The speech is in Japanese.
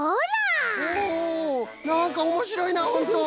なんかおもしろいなホント！